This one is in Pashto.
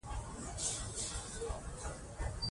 که موږ یې ساتنه وکړو.